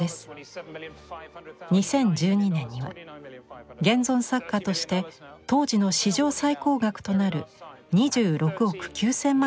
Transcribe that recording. ２０１２年には現存作家として当時の史上最高額となる２６億９，０００万円を記録しました。